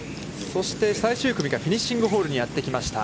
そして最終組がフィニッシングホールにやってきました。